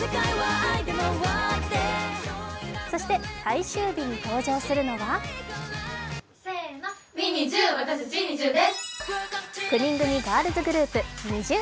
そして最終日に登場するのが９人組ガールズグループ、ＮｉｚｉＵ。